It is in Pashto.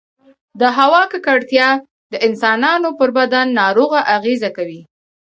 د هـوا ککـړتيـا د انسـانـانو پـر بـدن نـاوړه اغـېزه کـوي